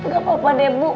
gak apa apa deh bu